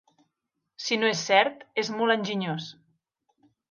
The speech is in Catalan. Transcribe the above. Si no és cert, és molt enginyós.